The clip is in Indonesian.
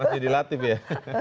masih dilatih ya